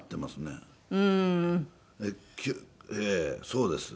そうです。